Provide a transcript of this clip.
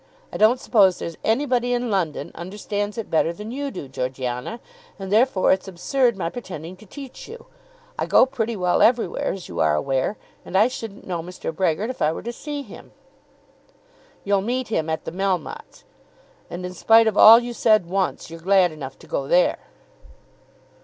I don't suppose there's anybody in London understands it better than you do, Georgiana, and therefore it's absurd my pretending to teach you. I go pretty well everywhere, as you are aware; and I shouldn't know Mr. Brehgert if I were to see him." "You'll meet him at the Melmottes', and, in spite of all you said once, you're glad enough to go there."